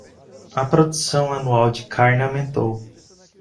A produção anual de carne aumentou